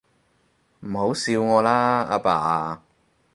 唔好笑我啦，阿爸